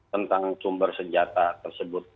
tentang sumber senjata tersebut